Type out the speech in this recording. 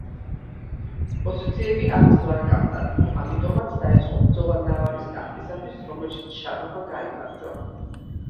პოზიციები არც ბლანკამ დათმო, ამიტომაც დაიწყო ბრძოლა ნავარის ტახტისათვის რომელშიც შარლმა გაიმარჯვა.